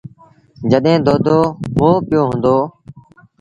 جڏهيݩ دودو مئو پيو هُݩدو۔